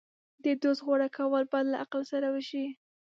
د دوست غوره کول باید له عقل سره وشي.